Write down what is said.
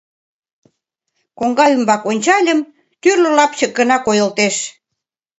Коҥга ӱмбак ончальым — тӱрлӧ лапчык гына кийылтеш.